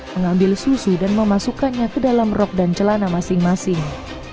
mengambil susu dan memasukkannya ke dalam rok dan celana masing masing